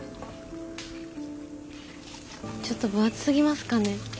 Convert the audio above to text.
ちょっと分厚すぎますかね？